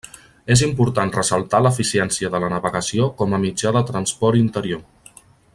És important ressaltar l'eficiència de la navegació com a mitjà de transport interior.